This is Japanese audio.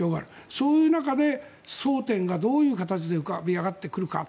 そういう中で争点がどう浮かび上がってくるか。